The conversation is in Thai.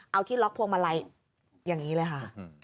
เอาที่ล็อกพวงมาลัยอย่างนี้เลยค่ะ